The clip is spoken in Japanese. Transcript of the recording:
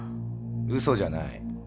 嘘じゃない。